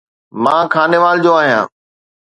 مان خانيوال جو آهيان